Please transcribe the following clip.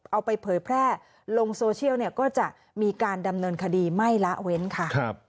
เอาไปเผยแพร่ลงโซเชียลเนี่ยก็จะมีการดำเนินคดีไม่ละเว้นค่ะ